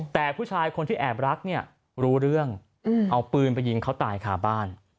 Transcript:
แต่ผู้ชายคนที่แอบรักเนี่ยรู้เรื่องเอาปืนไปยิงเขาตายคาบ้าน